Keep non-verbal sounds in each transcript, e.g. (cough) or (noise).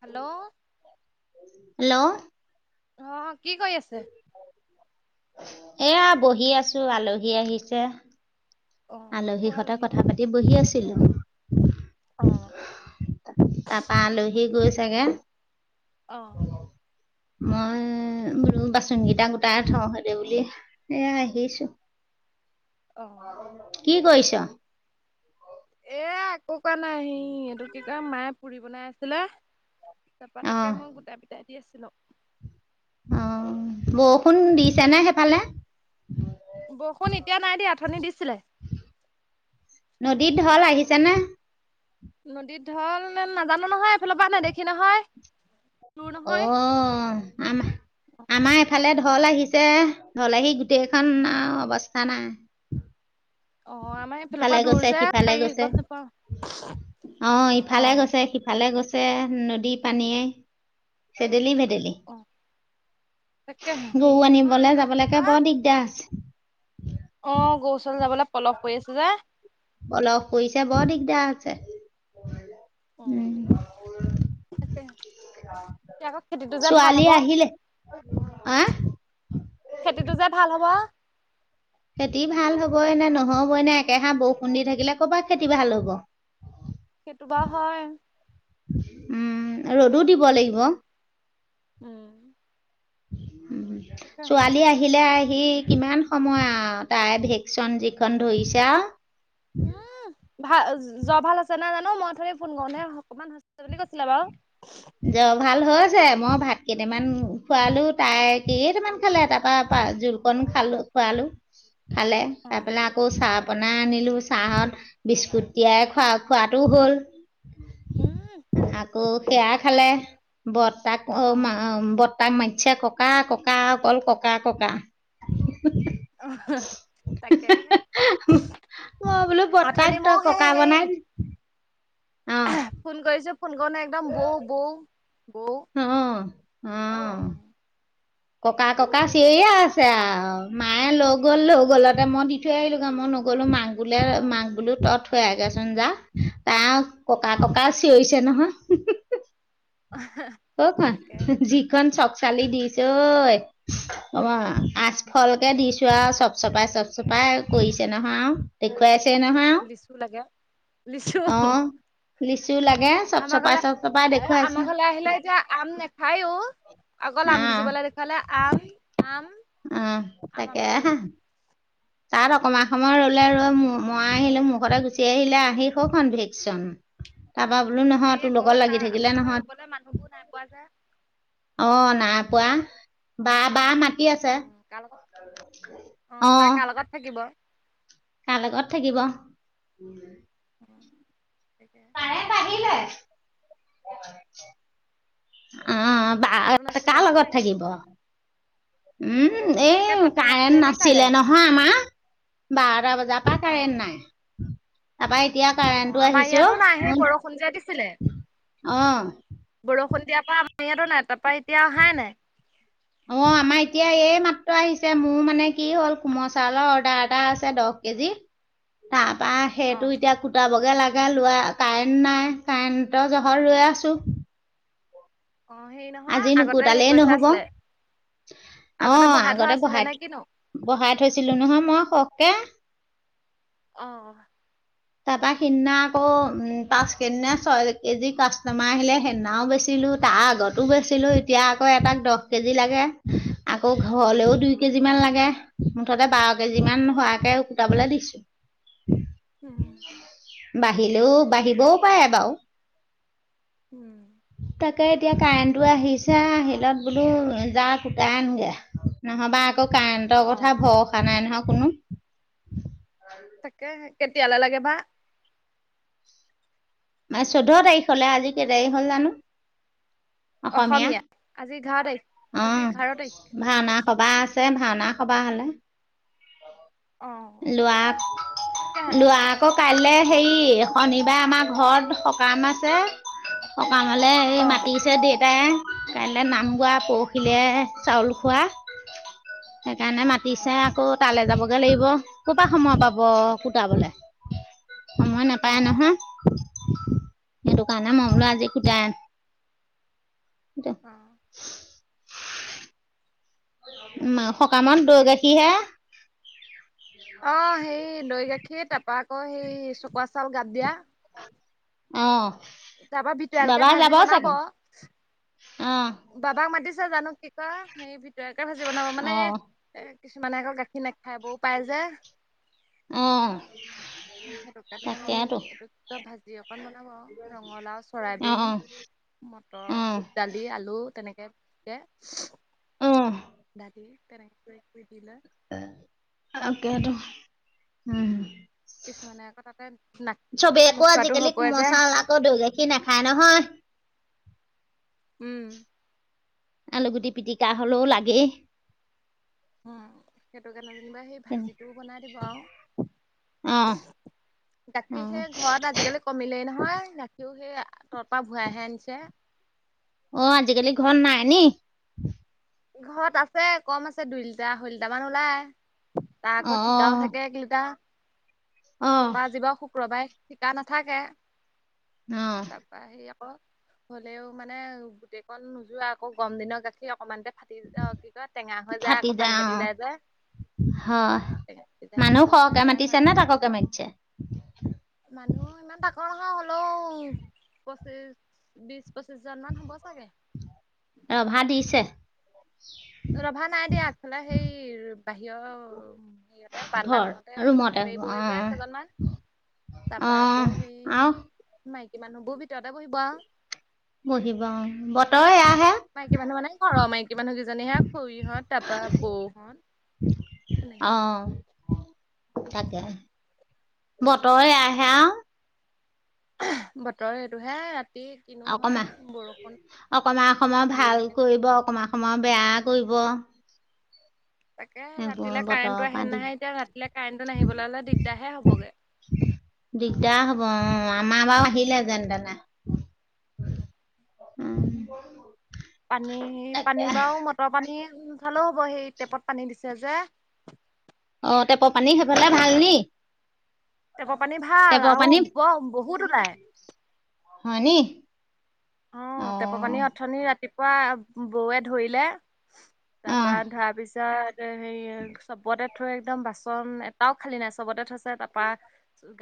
Hello! Hello! অ'! কি কৰি আছে? এয়া, বহি আছোঁ, আলহী আহিছে। অ' আলহী হঁতে কোৱালহি কথা পাতি বহি আছিলোঁ। অ' তাৰপা আলহী গৈছেগে। অ' মই বোলো, বাচন কেইটা গোটাই থওঁ সনেকে বুলি এয়া আহিছোঁ। (inaudible) অ'! কি কৰিছ? এ, একো কোৰা নাই। সি, এইটো কি কয়, মায়ে পুৰি বনাই আছিলে। তাৰাপা অ তাকে, মই গোটাই পিটাই দি আছিলোঁ। অ বৰষুণ দিছে নে সেইফালে উঠনি দিছিলে নদীত ঢল আহিছ নে? নদীত ঢল নে নাজানো নহয় এইফালৰ পৰা নেদেখি নহয়। দূৰ অ নহয় আম আমাৰ এইফালে ধ ঢল আহিছে, ঢল আহি গোটেইখন আৰু অৱস্থা নাই অ আমাৰ এইফালৰ ইফালে পৰা গৈছে দূৰ যে সিফালে আমি গৈছে গম নাপাওঁ। অ ইফালে অ' গৈছে সিফালে গৈছে নদী পানীয়ে চেডেলি ভেট ডেইলি অ' উফ্ তাকেহে হেৰি গৰু নহয় আনিবলৈ এইটো কি যাবলৈকে কয় বৰ দিগদাৰ আছ অ গৰুচল যাবলৈ পলপ পৰি আছে যে, এতিয়া আছে উম তাকে এতিয়া আকৌ খেতিটো যে ভাল ছোৱালী হ'ব আহিলে আ খেতিটো যে ভাল হ'ব। খেতি ভাল হ'বই নে, নহ'বই নে? একেহা বৰষুণ দি থাকিলে কৰপা খেতি ভাল হ'ব? সেইটো বাৰু ঢিপ উম উ উ কে আকৌ ফোন কৰছা উম উ উ উ ছোৱালী আহিলে এ আহি কিমান সময় আৰু তাই ভেকচন যিখন ধৰিছা হম ভা অ য যোৱা ভাল আছে না জানো মই অথনি ফোন কৰোতে অকমান হৈছিলে বুলি কৈছিলে বাৰু উস্ জ ভাল হৈ আ হৈছে মই ভাত কেইটামান খোৱালো তাই কেইটামান খালে তাৰপা। জলপান খালো খোৱালো খালে খাই পেলাই আকৌ চাহ বনাই আনিলো চাহত বিস্কুট তিয়াই খোৱা খোৱাটোও হল। ঢু উম ঢিপ ঢিপ আকৌ সেৱা খালে বৰ্তাক অ মা আম বৰ্তাক মাতিছে ককা ককা অকল ককা ককা অহ হাহা তাকেহে উমসৎ মই বোলো বৰ্তাক আঠনি ম তই হে ককা হেই বনাই দিলি? অ ফোন কৰিছো ফোন কৰোতে একদম বৌ বৌ বৌ আহ আহ ককা ককা চিঞৰিয়েই আছে আৰু মায়ে লগ গললো গলতে মই দি থৈ আহিলো গা মন নগলো মাক বোলে মাক বোলো তত থ আহগেচোন যা তাৰ ককা ককা চিঞয়িছে নহয়। হোঁহ্‌ হোঁহ্‌ হোঁহ্‌ কখন তাকে যিখন চক চালি দিছে ঐ অ আচফলকে দিছো আৰু চব-চপাই চব-চপাই কৰিছে নহয় আৰু দেখুৱাইছে তেওঁ নহয় লিচু লাগে লিচু আওঁ অহ আমাৰ ঘলে এ দেখুৱাইছে আমাৰ ঘৰলে আহিলে এতিয়া আম নেখায়ো অকল অ আম গিজিবলে দেখুৱালে আম আম অঁ, আম তাকে আমকে হাঁ, থাকিব। তাত অকমান সময় ৰ'লে ৰৈ মো মই আহিলো মুখতে গুচি আহিলে আহি খখন ভেকচন তাৰপা বোলো নহয় হেৰি তোৰ লগত আকৌ লাগি তাৰ থাকিলে আমাৰ ঘ নহয় ৰুবলৈ মানুহবোৰ নাই পোৱা যে। অ, নাই পোৱা। বা বা মাটি আছে উম কাৰ লগত অ। তাই কাৰ লগত থাকিব। কা লগত থাকিব টকা পাৰে বাঢ়িলে অ অঁ, অঁ তাতো বা- নাছিলে কাৰ নি লগত কাৰেণ্ট থাকিব? ওঁ উমহ, তাকে এই তাতো কাৰেণ্ট নি নাছিলে কাৰেণ্ট নহয় আমাৰ বাৰটা বজাৰ পৰা অ কাৰেণ্ট নাই। উমহু তাপাইত এতিয়া অ কাৰেণ্টটো আমাৰ আহিছো ইয়াতো নাই সেই অহ। বৰষুণ যে দিছিলে উম আহ তেতিয়াৰ পৰা আমাৰ ইয়াত ও নাই ত পাইত অ আমাৰ এতিয়া এই মাত ত্ৰ আহিছে মোৰ মানে কি হ'ল কোমল চাউলৰ অৰ্ডাৰ এটা আছে দহ কেজি তাম পাহ অ সেইটো এতিয়া খুটা ব জল লাগে লোৱা কাৰেণ্ট নাই কাৰেণ্টৰ জহৰ ৰৈ আছো। অ হেৰি আজি নহয় আগতে হেৰি নুকুটালেই কৰি থোৱা নহ'ব আছিলে। অ থোৱা আগতে আছিলে বহাই নে কিনো বহাই থৈছিলো নহয় মই সখকে অঁহ তাৰপা সিদিনা আকৌ উম পাচ কেজি নে ছয় কেজি কাষ্টমাৰ আহিলে সেইদিনাও বেছি। দিলো তাৰ আগতো বেছিলো এতিয়া আকৌ এটাক দহ কেজি লাগে আকৌ ঘৰলেও দুই কেজি যিমান লাগে মুঠতে বাৰ কেজি মান হোৱাকে উকুটাবলে দিছো। উম (inaudible) আহিলো বাঢ়িবও পাৰে বাৰু। ওঁ কে এতিয়া কাৰেণ্টটো আহিছে আ আহিলত বোলো যা কুটাই আনগে নহ'বা আকৌ কাৰেণ্টৰ অ কথা ভৰসা নাই নহয়। কোনো তাকে কেতিয়ালে লাগে বা। ম চৈধ্য তাৰিখলে আজি কেই তাৰিখ হল জানো অসমীয়া। আজি এঘাৰ তাৰিখ অ আজি এঘাৰ তাৰিখ ভাওনা সবা আছে ভাওনা খবা হলে অ লোৱা তাকে লোৱা আকৌ কাইলে হেৰি, শনিবায়ে আমা ঘৰত সকাম আছে সক্‌ টাউনলে এই অ মাতিছে দেউতাই কাইলৈ নাম গোৱা অ পৰহিলৈ চাউল খোৱা সেইকাৰণে অ মাতিছে আকৌ। তালৈ যাবগে লাগিব ক'ৰ পৰা সময় পাব কুটাবলে। সময় অ নেপায় নহয় সেইটো কাৰণে মই তাকে বোলো আজি একটু জাইম এতি (unintelligible) অ উম আ সকামত দৈ-গাখীৰ হে অ সেই দৈ গাখীৰে তাৰপৰা আকৌ সেই চকুৱা চাউল গাত দিয়া অঁ তাৰ পৰা ভিতৰালকে বাবা যাব ভাজি বনাব চাগে হাঁচি অঁ বাবাক মাতিছা জানো কি কয়, হে ভিতৰেকে ভাজি বনাব মানে অঁ কিছুমানে আকৌ গাখীৰ নাখায় বৌ পায় যে অহ সেইটো কাৰণে সেই এইটো ক কয় ভাজি অকণ বনাব ৰঙালাও অঁ চৰাইবিন মটৰ অঁ বুট দালি আলু তেনেকে, অঁ ঢাকি তেনেকে দি লয় তাকে তো, উম। কিছুমানে আকৌ তাতে না চবেই আকৌ নোখোৱাতো আজিকালি হ'বই যে কোমলচাউল আকৌ দৈ গাখীৰ নাখায় নহয়। উম। আলুগুটি পিটিকা হলেও লাগেই। উম সেইটো কাৰণে যেনিবা সেই ভাজিটোও বনাই দিব আউ। অ অ গাখীৰ সে ঘৰত আজিকালি কমিলেই নহয় গাখীৰো সেই তৰ পৰা ভূৰাই আহে আনিছে অ আজিকালি ঘৰ নাই নি? ঘৰত আছে কম আছে দুই লিটাৰ আঢ়ৈ লিটাৰ মান ওলাই। তাৰ অ আকৌ ঠিকাও থাকে এক লিটা। অ তাৰাপা আজি বাৰু শুক্ৰবাৰে থিকা নাথাকে অ তাৰাপা সে হলেও মানে গোটেই কন নোযোৱা আকৌ গম দিনৰ গাখীৰ অকমানতে। ফাটি অ কি কয় টেঙা হৈ যায় আকৌ পানী কাটি যাই যায়। হ টেঙা কাটি যায় মানুহ সেইটো কাৰণে সহকে বেয়া মাতিছে হয় নে গৈ। তাককে মাতিছে। মানুহ ইমান তাকৈ হলেও পঁচিশ বিশ পচিছজন মান হ ব চাগে। ৰভা দিছে ৰভা নাই দিয়া আগফালে সেই বাহিৰৰ সেইয়তে বান্দা ঘৰ কনতে ৰুমতে বেই হ'ব অ বই কেইজনমান অ তাৰপা আকৌ আৰু সেই মাইক- কিমান বোৰ ভিতৰতে বহি আও। বহিব অ বতৰে এয়া মাইকী মানুহ মানে ঘৰৰ মাইকী মানুহকেইজনীহে খুৰীহত তাৰপা বৌ হত। অহ তাকে বতৰ এয়া আহে আও। বতৰ সেইটো হে অকমা অকমা অকমা দিয়ে ভাল নে কৰিব অকমা সময় বেয়া কৰিব। তাকে এইবোৰ ৰাতিলে বতৰৰ কাৰেণ্টটো পৰা আহে দিগ নাহে এতিয়া ৰাতিলে কাৰেণ্টটো নাহিবলৈ হ'লে দিগদাৰ হে হ'বগে। দিগদাৰ হ'ব অ আমাৰ বাও আহিলে যেন তেনে। উম পানী, তাকে পানী বাও মটৰ পানী। উম ভালো হ'ব সেই টেপত পানী দিছে যে। অ টেপৰ এ পানী সেইফালে হেৰিয়ত ভাল নি। টেপৰ পানী ভাল আও ব বহুত ওলাই। হয়নি আহ অ টেপৰ পানী অথনি ৰাতিপুৱা বৌৱে ধৰিলে। অ তাৰপা ধৰা পিছত সে চবতে থৈ একদম বাচন এটাও খালি নাই চবতে থৈছে তাৰপা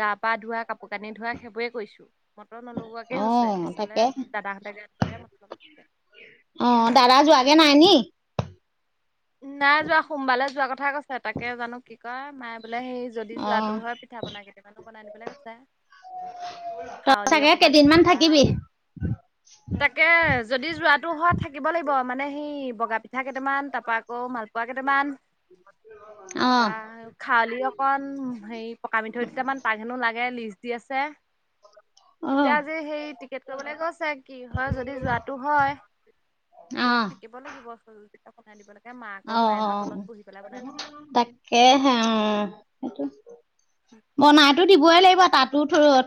গাপ পা ধোৱা কাপোৰ কানি ধোৱা সেইবোৰে কৰিছো। মটৰ নলোৱাকে অ হৈছে পিছলে তাকে দাদাহঁতে যাত বুলি ক'লে মতলব আছে। হেনি নাই যোৱা। সোমবাৰে যোৱা কথা কৈছে তাকে জানো কি কয়, মাই বোলে সেই যদি অ যোৱাতটো হয় পিঠা পিঠা কেইটামানো বনাই নিবলৈ কৈছে। তই খাৱলি চাগে অকমান কেইদিনমান পিঠা থাকিবি। তাকে যদি যোৱাটো হোৱা থাকিব লাগিব মানে সেই বগা পিঠা কেইটামান তাৰপা কৌ মালপোৱা কেইটামান অ তাৰপা খাউলি অকন, হেৰি পকা মিঠৈ দুটামান তাক হেনো লাগে লিষ্ট দি আছে। (unintelligible) এতিয়া আজি সেই টিকেট কৰিবলৈ গৈছে কি হয়, যদি যোৱাটো হয়। অ তেতিয়া থাকিব লাগিব পিঠা বনাই দিবলে। অ অ তাকেহে অ সেইটো বনাইতো দিবই লাগিব তাতোঁ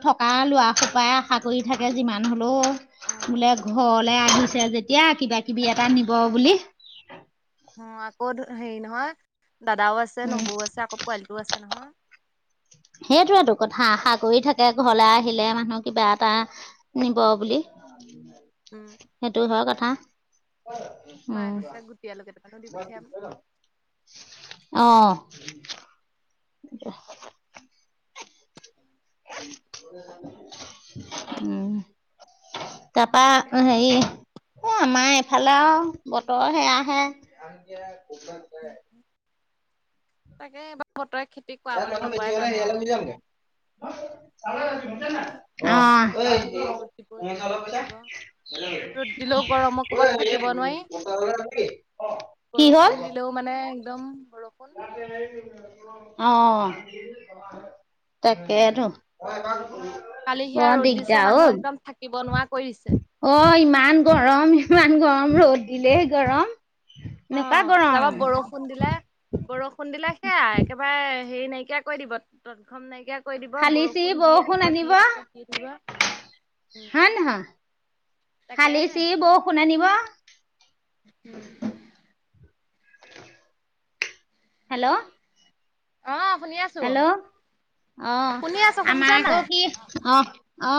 থকা লৰা সোপাই আশা কৰি থাকে যিমান হলেওঁ। বোলে ঘৰলে তাৰপা আহিছে যেতিয়া কিবা কিবি এ- অ অ আকৌ হেৰি নহয় দাদাও আছে উম নবৌও আছে আকৌ পোৱালিটোও আছে নহয়। সেইটোতো কথা আশা কৰি থাকে ঘৰলে আহিলে মানুহ। কিবা এটা নিব বুলি উম সেইটো হয় তাকে কথা মায়ে উম কৈছে গুটি আলু কেইটামানো দি পঠিয়াম অহ (unintelligible) উম তাৰপা তাকে হেৰি এ আমাৰ ফালে আও বতৰ সেয়াহে তাকে এইবাৰ বতৰ ইয়াত মানুহ বেছি হলে হেৰি (unintelligible) যামগে অ এই ৰ'দ দিব এই বৰষুণ দিব ৰ'দ দিলেও গৰমৰ কোবত থাকিব নোৱাৰি (unintelligible) (unintelligible) হ'ল বৰষুণ দিলেও মানে একদম বৰষুণ অ তাকেইতো কালি সেয়া বৰ ৰ'দ দিছে দিগদাৰ মানুহ একদম থাকিব নোৱাৰা কৰি দিছে অউ অ ইমান গৰম ইমান গৰম ৰ'দ দিলে গৰম। অ এনেকুৱা গৰম তাৰপা বৰষুণ দিলে বৰষুণ দিলে সেয়া একেবাৰে হেৰি নাইকিয়া কৈ দিব তৎ ঘম নাইকিয়া কৈ দিব ফালি চিৰি বৰষুণ দিয়ে থাকিব আনিব দিয়ে থাকিব দিয়ে থাকিব উম হয় নহয় ফালি চিৰি বৌখন আনিব উম হেল্ল' অহঁ হেল্ল' অহ শুনি আছো আমাৰ শুনিছা নাই আকৌ কি অহ অ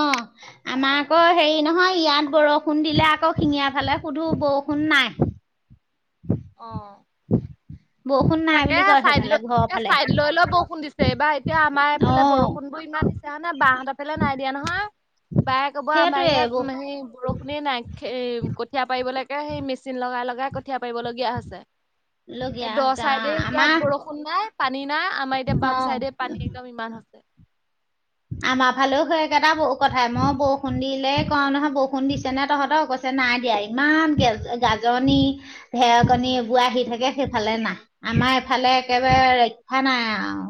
আমাৰ আকৌ হেৰি নহয় ইয়াত বৰষুণ দিলে আকৌ শিঙীয়া ফালে সুধো বৰষুণ নাই। (unintelligible) অহ বৰষুণ নাই তাকে বুলি কয় চাইড সেইফালে লৈ ঘৰৰ ফালে চাইড লৈ লৈ বউখুন দিছে এইবাৰ এতিয়া আমাৰ এফালে অ' বৰষুণ বোৰ ইমান দিছে হয় নে বাহতৰফালে নাই দিয়া নহয় বাই কব আমাৰ সেইটোৱে ইয়াত সেই বৰষুণে নাই কঠিয়া পাৰিবলৈকে সেই মেচিন লগাই লগাই কঠিয়া পাৰিবলগীয়া হৈছে এই লগীয়া দহ হৈছে চাইডে অ' এতিয়া আমাৰ বৰষুণ নাই পানী নাই আমাৰ এতিয়া বাম অ' চাইডে পানী একদম ইমান আমাৰ ফালেও সেই একেইটা বু কথাই মই বউষণ দিলেই কওঁ নহয় বওষণ দিছে নে তহঁতৰ অ নাই দিয়া ইমান গে গাজনি ধেৰকণী উম। এবো আহি থাকে সেইফালে নাই আমাৰ এইফালে একেবাৰে ৰক্ষা নাই আও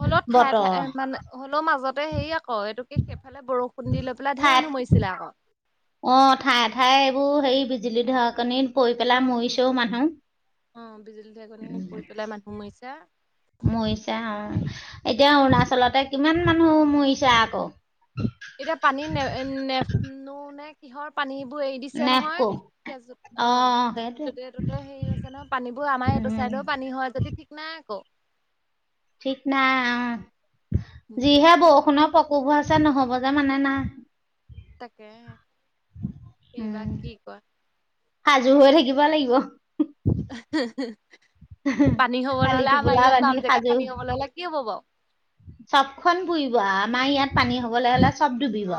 হলেও ঠাই ঠাই মানে হ'লও মাজত ততে হেৰি আকৌ এইটোকে সেইফালে বৰষুণ দি লৈ পেলাই ধেৰ ঠাইত মানুহ মৰিছিলে আক। অ ঠায়ে ঠায়ে এইবোৰ হেৰি বিজুলী ধৰ কনিত অ বিজুলী আহ বিজুলী ধেৰকণি পৰি পেলাই মানুহ মৰিছে। মাৰিছে অ এতিয়া অৰুণাচলতে কিমান মানুহ মাৰিছে আকৌ এতিয়া পানী নে নেনো নে কিহৰ পানী বোৰ এৰি দিছে নে আকৌ নহয় অ ত ততে হেৰি হৈছে নহয় পানী বোৰ আমাৰ এইটো উম চাইট ত পানী হয় যদি ঠিক নাই আকৌ ঠিক নাই অ উম যিহে বৌষণ পক ক'ব আছে নহ'ব যে মানে নাই। তাকে এইবা উম, কি কয় সাজু হৈ থাকিব লাগিব। হি হি পানী হ'ব টালি হ'লে আও আমাৰ টোপোলা ইয়াত বান্ধি বাম জেগাত সাজু। পানী হ'ব নহ'লে কি হ'ব বাও। চবখন বুৰিব আ আমাৰ ইয়াত পানী হবলৈ হলে চব ডুবিব অ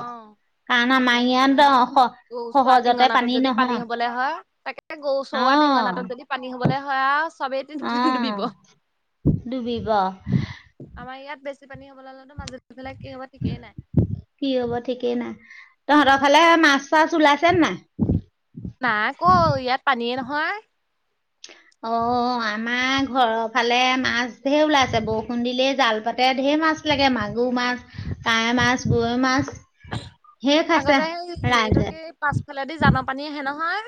কাৰণ আমাৰ ইয়াত দ অখ গৌ চোৱা টিঙনাটোত যদি পানী হবলৈ হয়, তাকে গৌ চোৱা অ'। টিঙনাটোত যদি পানী হ'ব বলে হয় আৰু চবেই অ', ডুবিব। ডুবিব আমাৰ ইয়াত বেছি পানী হ'ব লালে তো মাজত ফালে কি কি হব ঠিকেই নাই। তহঁতৰ ফালে মাছ চাছ ওলাই আছে নাই? নাই ক ইয়াত পানীয়ে নহয়। (unintelligible) অ আমাৰ ঘৰৰ ফালে মাছ ঢেৰ ওলাইছে, বৰষুণ দিলেই জাল পাতে ঢেৰ মাছ। মাছ লাগে মাগুৰ মাছ, কাৱৈ মাছ গৰৈ মাছ। ঢেৰ খাইছে আগতে এইটো ৰাইজে কি পাছফালেদি জানৰ পানী আহে নহয়।